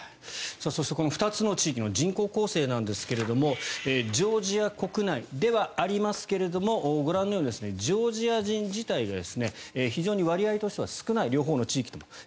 そして、この２つの地域の人口構成なんですがジョージア国内ではありますがご覧のようにジョージア人自体が非常に割合としては少ない両方の地域とも。